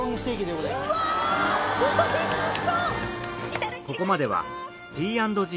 うわおいしそう！